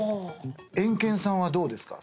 エンケンさんはどうですか？